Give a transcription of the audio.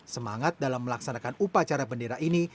semangat dalam melaksanakan upacara bendera ini